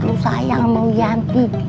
lu sayang mau dianti